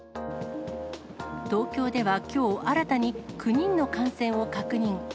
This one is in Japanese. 東京ではきょう新たに９人の感染を確認。